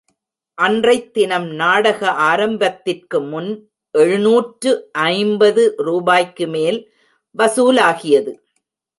அன்றைத் தினம் நாடக ஆரம்பத்திற்கு முன் எழுநூற்று ஐம்பது ரூபாய்க்கு மேல் வசூலாகியது.